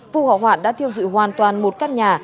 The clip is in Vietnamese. vụ hỏa hoạn đã thiêu dụi hoàn toàn một căn nhà